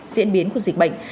diễn biến của dịch bệnh